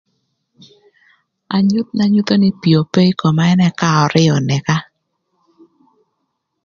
Anyuth na nyuto nï pii ope ï koma ënë ka örïö önëka.